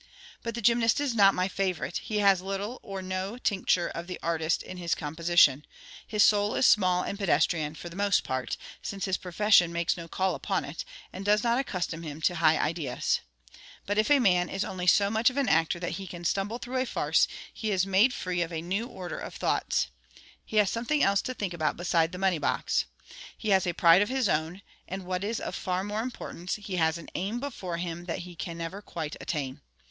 But the gymnast is not my favourite; he has little or no tincture of the artist in his composition; his soul is small and pedestrian, for the most part, since his profession makes no call upon it, and does not accustom him to high ideas. But if a man is only so much of an actor that he can stumble through a farce, he is made free of a new order of thoughts. He has something else to think about beside the money box. He has a pride of his own, and, what is of far more importance, he has an aim before him that he can never quite attain.